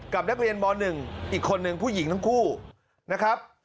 กับรักษาประเภทม๑อีกคนหนึ่งผู้หญิงทั้งคู่นะครับ